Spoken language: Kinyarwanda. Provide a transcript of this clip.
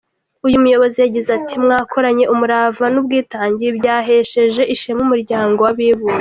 Uyu muyobozi yagize ati : “Mwakoranye umurava n’ubwitange, ibi byahesheje ishema umuryango w’abibumbye.”